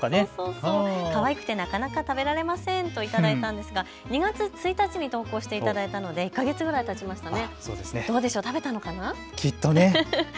かわいくてなかなか食べられませんといただいたんですが２月１日に投稿していただいたので１か月ぐらいたちましたね。